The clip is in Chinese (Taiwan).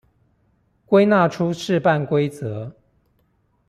歸納出試辦規則